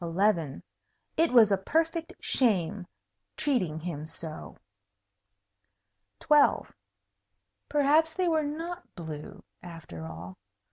It was a perfect shame, treating him so. 12. Perhaps they were not blue, after all.